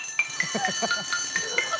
「ハハハハ！」